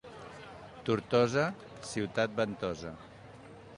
Tortosa, ciutat ventosa.